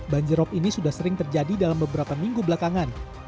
banjirop ini sudah sering terjadi dalam beberapa minggu belakangan